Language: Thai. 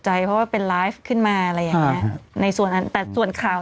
ช่างไฟทีมสวัสดิการ